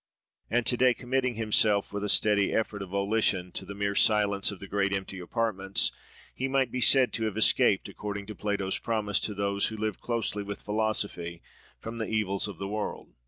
+ And to day, committing himself with a steady effort of volition to the mere silence of the great empty apartments, he might be said to have escaped, according to Plato's promise to those who live closely with philosophy, from the evils of the world.